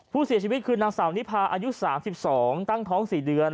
ผู้เสียชีวิตคือนางสาวนิพาอายุ๓๒ตั้งท้อง๔เดือน